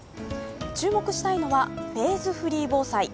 注目したいのは、フェーズフリー防災。